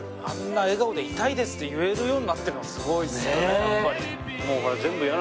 あんな笑顔で痛いですって言えるようになってるのがすごいですよね